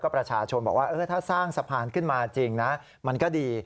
ประชาชนบอกว่าถ้าสร้างสะพานขึ้นมาจริงนะมันก็ดี